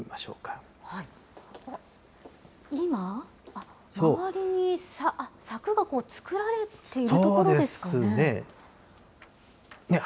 あっ、周りに柵が作られているところですか。